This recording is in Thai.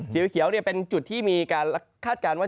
สีเขียวเป็นจุดที่มีการคาดการณ์ว่า